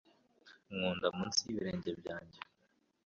Nkunda munsi y'ibirenge byanjye